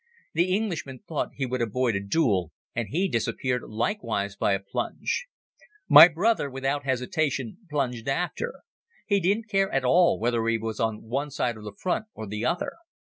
The Englishman thought he would avoid a duel and he disappeared likewise by a plunge. My brother, without hesitation, plunged after. He didn't care at all whether he was on one side of the front or the other.